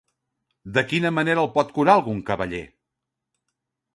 De quina manera el pot curar algun cavaller?